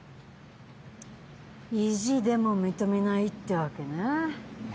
意地でも認めないってわけね。